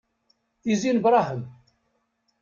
Tizi n Brahem.